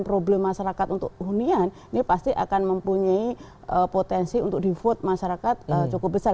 problem masyarakat untuk hunian ini pasti akan mempunyai potensi untuk di vote masyarakat cukup besar